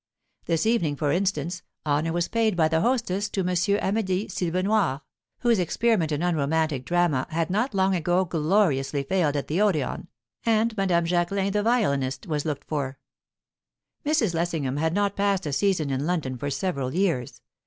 This evening, for instance, honour was paid by the hostess to M. Amedeee Silvenoire, whose experiment in unromantic drama had not long ago gloriously failed at the Odeon; and Madame Jacquelin, the violinist, was looked for. Mrs. Lessingham had not passed a season in London for several years.